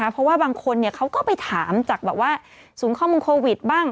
เพราะว่าบางคนเขาก็ไปถามจากศูนย์ข้อมูลโควิดบ้าง